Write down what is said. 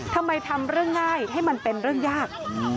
ทำเรื่องง่ายให้มันเป็นเรื่องยาก